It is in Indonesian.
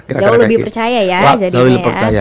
jauh lebih percaya ya